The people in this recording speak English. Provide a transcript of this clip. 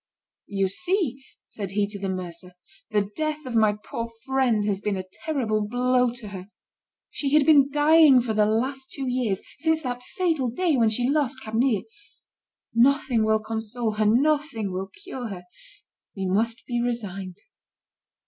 "You see," said he to the mercer, "the death of my poor friend has been a terrible blow to her. She had been dying for the last two years, since that fatal day when she lost Camille. Nothing will console her, nothing will cure her. We must be resigned."